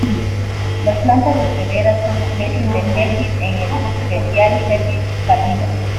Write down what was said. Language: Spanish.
Las plantas hospederas son especies de "Celtis", en especial "Celtis pallida".